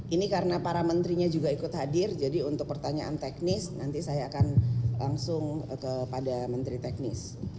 ini karena para menterinya juga ikut hadir jadi untuk pertanyaan teknis nanti saya akan langsung kepada menteri teknis